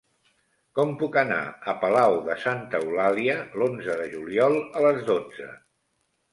Com puc anar a Palau de Santa Eulàlia l'onze de juliol a les dotze?